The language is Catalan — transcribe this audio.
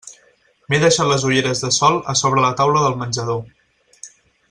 M'he deixat les ulleres de sol a sobre la taula del menjador.